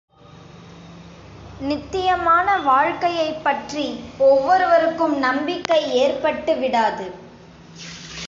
நித்தியமான வாழ்க்கையைப் பற்றி ஒவ்வொருவருக்கும் நம்பிக்கை ஏற்பட்டு விடாது.